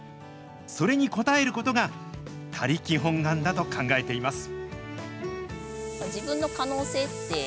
それに応えることが、他力本願だと考えています。